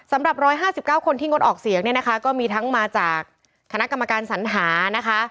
สำหรับ๑๕๙คนที่งดออกเสียงเนี่ยนะคะก็มีทั้งมาจากคณะกรรมการสัญหานะคะ